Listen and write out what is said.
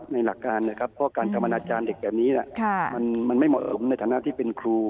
หลักการนะครับเพราะการทำอนาจารย์เด็กแบบนี้มันไม่เหมาในฐานะที่เป็นครู